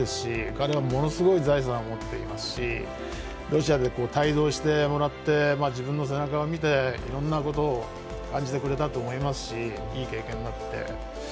彼はものすごい財産を持っていますしロシアで帯同してもらって自分の背中を見ていろんなことを感じてくれたと思いますしいい経験になって。